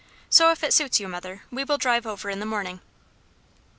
So if it suits you, mother, we will drive over in the morning."